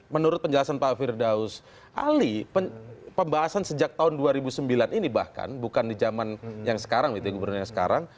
menurut penjelasan pak firdaus ali pembahasan sejak tahun dua ribu sembilan ini bahkan bukan di zaman yang sekarang gitu ya gubernur yang sekarang